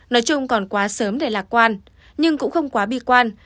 nói chung còn quá sớm để lạc quan nhưng cũng không quá bi quan